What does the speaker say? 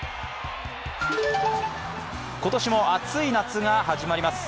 今年も熱い夏が始まります。